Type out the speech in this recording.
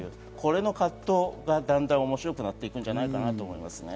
その葛藤がだんだんと面白くなっていくんじゃないかなと思いますね。